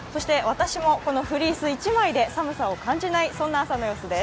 私もこのフリース１枚で寒さを感じない、そんな朝の様子です。